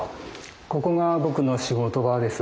ここが僕の仕事場です。